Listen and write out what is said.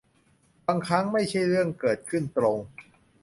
บางครั้งไม่ใช่เรื่องเกิดขึ้นตรง